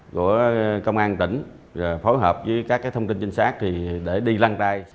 của công an tỉnh phối hợp với các thông tin chính xác để đi lăn tay